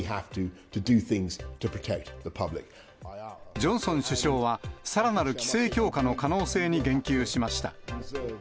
ジョンソン首相は、さらなる規制強化の可能性に言及しました。